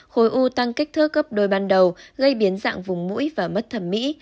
khối u tăng kích thước gấp đôi ban đầu gây biến dạng vùng mũi và mất thẩm mỹ